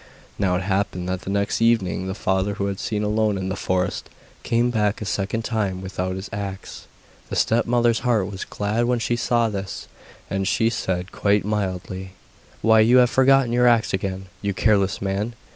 Now it happened that the next evening the father, who had been alone in the forest, came back a second time without his axe. The stepmother's heart was glad when she saw this, and she said quite mildly: 'Why, you have forgotten your axe again, you careless man!